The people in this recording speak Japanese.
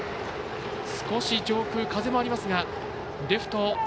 少し上空、風もありますがレフト、